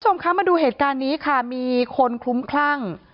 คุณผู้ชมคะมาดูเหตุการณ์นี้ค่ะมีคนคลุ้มคลั่ง